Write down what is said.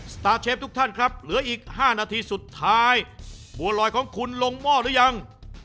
สตาร์เชฟทุกท่านครับเหลืออีก๕นาทีสุดท้ายบัวลอยของคุณลงหม้อหรือยัง